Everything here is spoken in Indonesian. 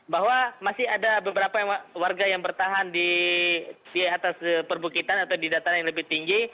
bahwa masih ada beberapa warga yang bertahan di atas perbukitan atau di dataran yang lebih tinggi